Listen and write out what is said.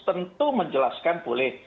tentu menjelaskan boleh